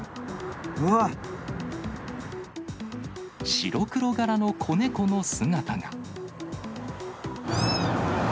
白黒柄の子猫の姿が。